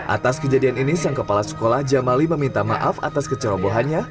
atas kejadian ini sang kepala sekolah jamali meminta maaf atas kecerobohannya